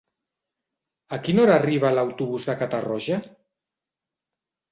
A quina hora arriba l'autobús de Catarroja?